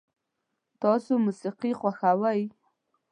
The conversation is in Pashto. تاسو موسیقي خوښوئ؟